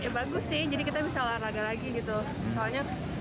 bagus sih jadi kita bisa olahraga lagi